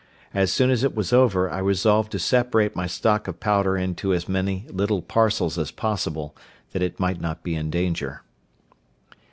As soon as it was over, I resolved to separate my stock of powder into as many little parcels as possible, that it might not be in danger.